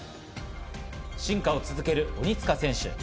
進化を続ける鬼塚選手。